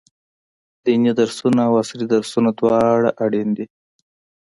ديني درسونه او عصري درسونه دواړه اړين دي.